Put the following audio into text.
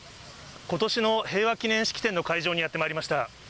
ことしの平和記念式典の会場にやってまいりました。